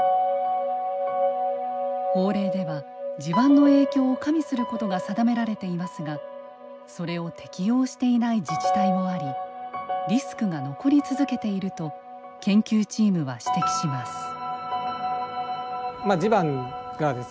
法令では地盤の影響を加味することが定められていますがそれを適用していない自治体もありリスクが残り続けていると研究チームは指摘します。